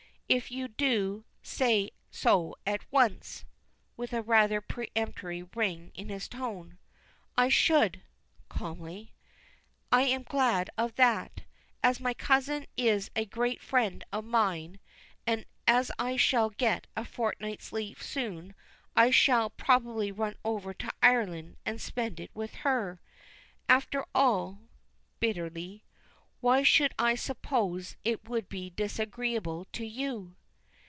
"If you do, say so at once," with a rather peremptory ring in his tone. "I should," calmly. "I am glad of that. As my cousin is a great friend of mine, and as I shall get a fortnight's leave soon, I shall probably run over to Ireland, and spend it with her. After all" bitterly "why should I suppose it would be disagreeable to you?"